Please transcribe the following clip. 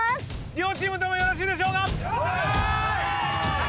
両チームともよろしいでしょうか・